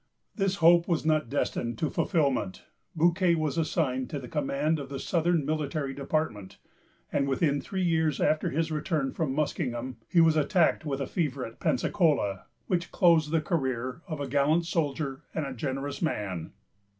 This hope was not destined to fulfilment. Bouquet was assigned to the command of the southern military department; and, within three years after his return from the Muskingum, he was attacked with a fever at Pensacola, which closed the career of a gallant soldier and a generous man.